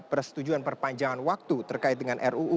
persetujuan perpanjangan waktu terkait dengan ruu